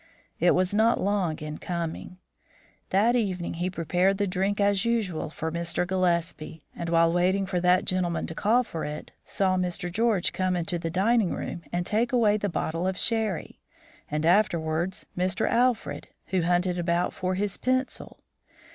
It was not long in coming. That evening he prepared the drink as usual for Mr. Gillespie, and, while waiting for that gentleman to call for it, saw Mr. George come into the dining room and take away the bottle of sherry, and afterwards Mr. Alfred, who hunted about for his pencil.